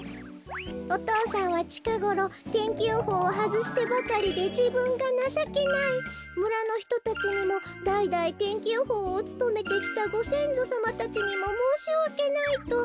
お父さんは「ちかごろ天気予報をはずしてばかりでじぶんがなさけないむらのひとたちにもだいだい天気予報をつとめてきたごせんぞさまたちにももうしわけない」と。